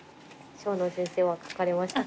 生野先生は書かれましたか？